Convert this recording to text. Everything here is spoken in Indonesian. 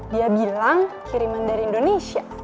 dia bilang kiriman dari indonesia